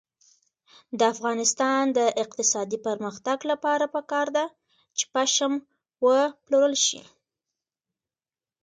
د افغانستان د اقتصادي پرمختګ لپاره پکار ده چې پشم وپلورل شي.